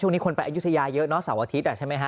ช่วงนี้คนไปอยุธยาเยอะเนาะเสารอาทิตย์อ่ะใช่ไหม